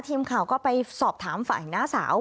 ทีมข่าวก็ไปสอบถามฝ่ายน้าสาว